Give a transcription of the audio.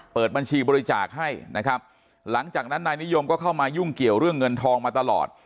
เปิดบัญชีบริจาคให้นะครับหลังจากนั้นนายนิยมก็เข้ามายุ่งเกี่ยวเรื่องเงินทองมาตลอด